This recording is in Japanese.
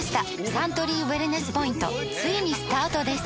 サントリーウエルネスポイントついにスタートです！